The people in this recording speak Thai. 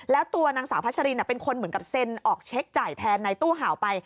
แล้วตัวนางสาวพัชรินเป็นคนเหมือนกับเซ็นออกเช็คจ่ายแทนในตู้เห่าไป